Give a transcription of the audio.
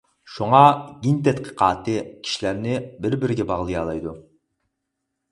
شۇڭا گېن تەتقىقاتى كىشىلەرنى بىر-بىرىگە باغلىيالايدۇ.